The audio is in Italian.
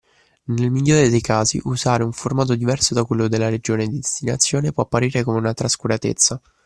Nel migliore dei casi, usare un formato diverso da quello della regione di destinazione può apparire come una trascuratezza